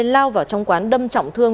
lao vào trong quán đâm trọng thương